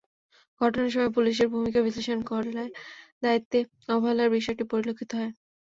ঘটনার সময় পুলিশের ভূমিকা বিশ্লেষণ করলে দায়িত্বে অবহেলার বিষয়টি পরিলক্ষিত হয়।